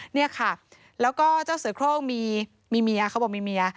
เนี่ยค่ะแล้วก็เจ้าเสือโครงมีเมียเขาบอกมีเมีย